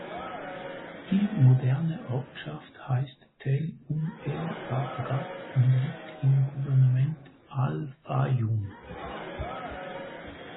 Die moderne Ortschaft heißt Tell Umm el-Baragat und liegt im Gouvernement Al-Fayyum.